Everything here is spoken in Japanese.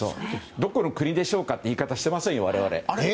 どこの国でしょうかって言い方をしてませんよ、我々。